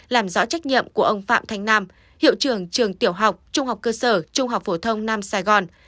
làm rõ trách nhiệm của ông phạm thanh nam hiệu trưởng trường tiểu học trung học cơ sở trung học phổ thông nam sài gòn